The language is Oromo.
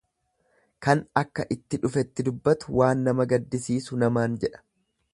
Kan akka itti dhufetti dubbatu waan nama gaddisiisu namaan jedha.